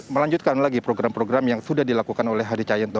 melanjutkan lagi program program yang sudah dilakukan oleh hadi cahyanto